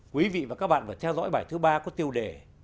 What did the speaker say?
quý vị và các bạn vừa theo dõi bài thứ ba có tiêu đề